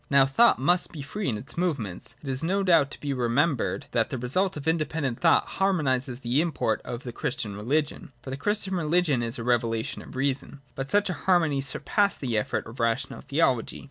Now thought must be free in its movements. It is no doubt to be remembered, that the result of independent thought harmonises with the im Y4 FIRST ATTITUDE TO OBJECTIVITY. [36. port of the Christian religion :— for the Christian religion is a revelation of reason. But such a harmony surpassed the efforts of rational theology.